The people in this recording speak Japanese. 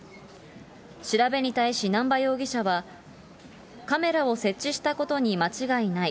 調べに対し、難波容疑者はカメラを設置したことに間違いない。